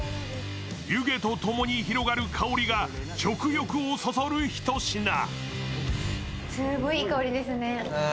湯気とともに広がる香りが食欲をそそるひと品。